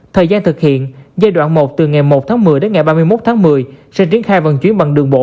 thời gian thực hiện giai đoạn một từ ngày một tháng một mươi đến ngày ba mươi một tháng một mươi sẽ triển khai vận chuyển bằng đường bộ